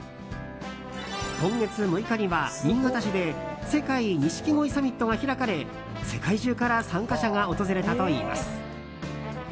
今月６日には新潟市で世界錦鯉サミットが開かれ世界中から参加者が訪れたといいます。